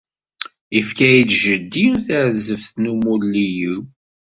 Yefka-yi-d jeddi tarzeft n umuli-w.